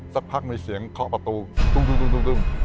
สักพักมีเสียงเคาะประตูตุ้ม